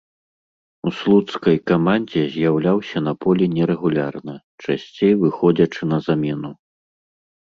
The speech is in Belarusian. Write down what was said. У слуцкай камандзе з'яўляўся на полі нерэгулярна, часцей выходзячы на замену.